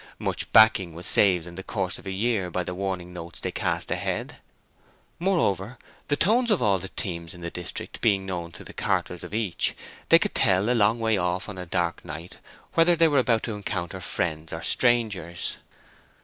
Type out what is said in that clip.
Much backing was saved in the course of a year by the warning notes they cast ahead; moreover, the tones of all the teams in the district being known to the carters of each, they could tell a long way off on a dark night whether they were about to encounter friends or strangers.